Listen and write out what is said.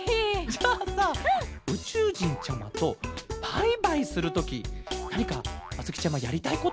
じゃあさうちゅうじんちゃまとバイバイするときなにかあづきちゃまやりたいことってあるケロ？